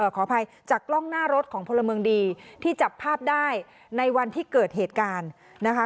ขออภัยจากกล้องหน้ารถของพลเมืองดีที่จับภาพได้ในวันที่เกิดเหตุการณ์นะคะ